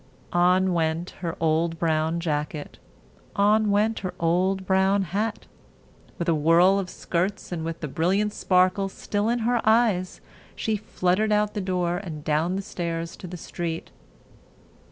On went her old brown jacket; on went her old brown hat. With a whirl of skirts and with the brilliant sparkle still in her eyes, she fluttered out the door and down the stairs to the street.